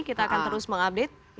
kita akan terus mengupdate